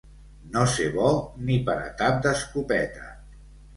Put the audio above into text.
No ser bo ni per a tap d'escopeta.